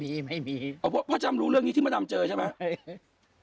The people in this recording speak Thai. มีไม่มีพ่อจำรู้เรื่องนี้ที่มดดำเจอใช่ไหม